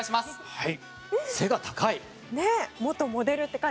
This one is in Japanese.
「はい」